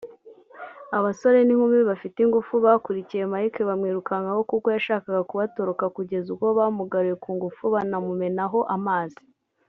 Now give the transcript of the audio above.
Abasore n’inkumi bafite ingufu bakurikiye Mike bamwirukankaho kuko yashakaga kubatoroka kugeza ubwo bamugaruye ku ngufu banamumenaho amazi